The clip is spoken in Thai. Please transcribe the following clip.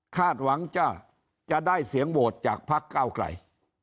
คาดหวังจะจะได้เสียงโหวตจากพระเก้าไกร